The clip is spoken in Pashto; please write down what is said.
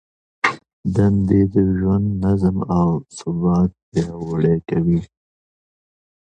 دندې د ژوند نظم او ثبات پیاوړی کوي.